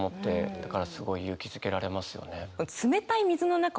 だからすごい勇気づけられますよね。